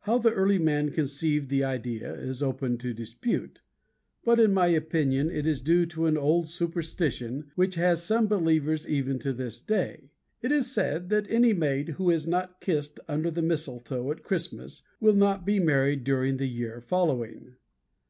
How the early man conceived the idea is open to dispute, but in my opinion it is due to an old superstition which has some believers even to this day. It is said that any maid who is not kissed under the Mistletoe at Christmas will not be married during the year following.